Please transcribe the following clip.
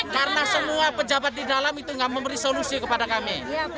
karena semua pejabat di dalam itu gak memberi solusi kepada kami